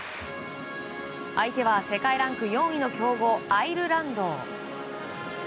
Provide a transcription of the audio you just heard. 相手は世界ランク４位の強豪アイルランド。